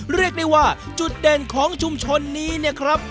เรียกได้ว่าจุดเด่นของชุมชนนี้เนี่ยครับ